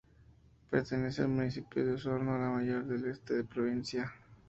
Pertenece al municipio de Osorno la Mayor, en el Este de la provincia.